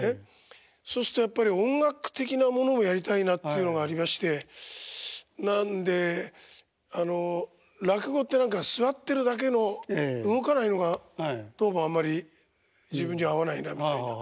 そうするとやっぱり音楽的なものをやりたいなっていうのがありましてなんで落語って何か座ってるだけの動かないのがどうもあんまり自分には合わないなみたいな。